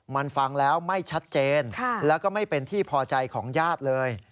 มันฟังแล้วไม่ชัดเจนแล้วก็ไม่เป็นที่พอใจของญาติเลย